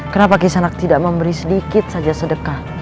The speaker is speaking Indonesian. kenapa kisah nak tidak memberi sedikit saja sedekah